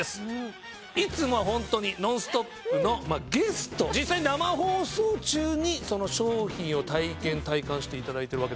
いつもはホントに『ノンストップ！』のゲスト実際生放送中にその商品を体験体感していただいてるわけですもんね。